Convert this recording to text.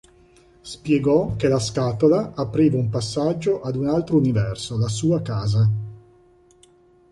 Spiegò che la scatola apriva un passaggio ad un altro universo, la sua casa.